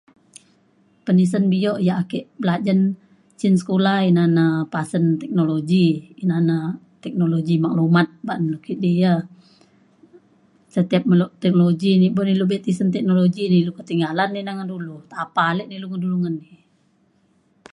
penisen bio ia' ake belajen cin sekula ina na pasen teknologi ina na teknologi maklumat ban du kidi ya. setiap meluk teknologi ni bo ilu be tisen teknologi ni ilu ketinggalan na ngan dulu tapa alik ne ilu ngan dulu ni